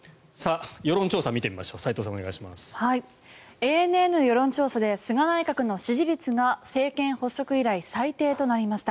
ＡＮＮの世論調査で菅内閣の支持率が政権発足以来最低となりました。